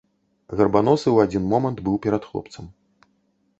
Гарбаносы ў адзін момант быў перад хлопцам.